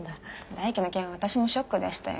大輝の件は私もショックでしたよ。